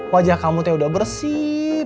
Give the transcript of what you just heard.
wajah kamu teh udah bersih